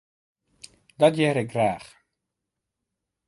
Dat hear ik graach.